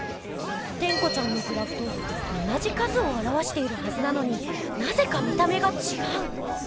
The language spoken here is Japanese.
テンコちゃんのグラフと同じ数をあらわしているはずなのになぜか見た目がちがう。